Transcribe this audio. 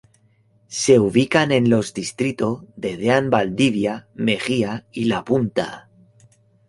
Se ubican en los distrito de Dean Valdivia, Mejia y La Punta.